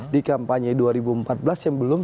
di kampanye dua ribu empat belas yang belum